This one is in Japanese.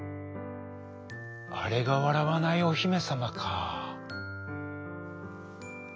「あれがわらわないおひめさまか」。